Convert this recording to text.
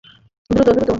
দ্রুত, দ্রুত!